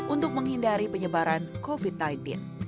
untuk menghindari penyebaran covid sembilan belas